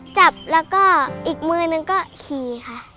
จับแล้วก็อีกมือนึงก็ขี่ค่ะ